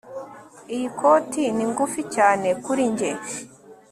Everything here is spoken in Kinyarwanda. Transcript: Iyi koti ni ngufi cyane kuri njye